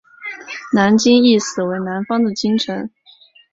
南京意思为南方的京城。